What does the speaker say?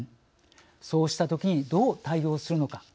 そうしたときにどう対応するのか。